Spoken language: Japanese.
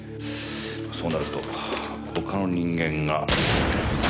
そうなると他の人間が。